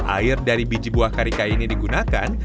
air dari biji buah karika ini digunakan